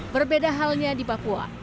berbeda halnya di papua